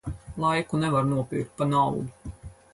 Laiku nevar nopirkt pa naudu.